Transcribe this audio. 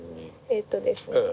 えっとですね